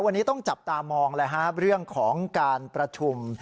วันนี้ต้องจับตามองเลยครับเรื่องของการประชุม